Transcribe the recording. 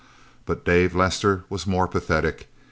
But Dave Lester was more pathetic.